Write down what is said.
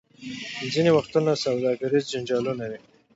ځینې وختونه سوداګریز جنجالونه وي.